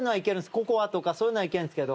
ココアとかそういうのはいけるんですけど。